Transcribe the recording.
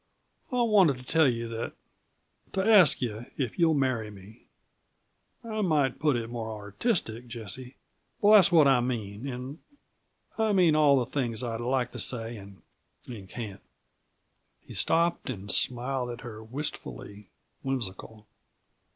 I wanted to tell you that to ask you if you'll marry me. I might put it more artistic, Jessie, but that's what I mean, and I mean all the things I'd like to say and can't." He stopped and smiled at her, wistfully whimsical.